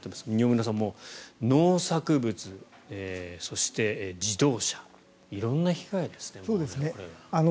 饒村さん農作物、そして自動車色んな被害ですね。